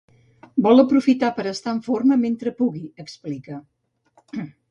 Vol aprofitar per estar en forma mentre pugui, explica.